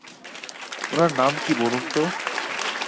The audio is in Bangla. উনার নাম কি বলুন তো!